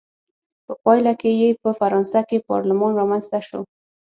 په پایله کې یې په فرانسه کې پارلمان رامنځته شو.